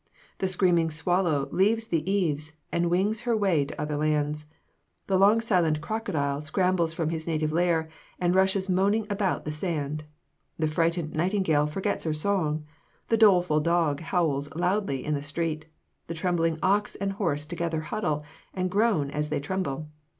The screaming swallow leaves the eaves, and wings her way to other lands. The long silent crocodile scrambles from his native lair and rushes moaning about the sand. The frightened nightingale forgets her song. The doleful dog howls loudly in the street. The trembling ox and horse together huddle, and groan as they tremble.